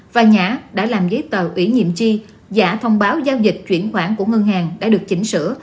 và nhã đã làm giấy tờ ủy nhiệm chi giả thông báo giao dịch chuyển khoản của ngân hàng đã được chỉnh sửa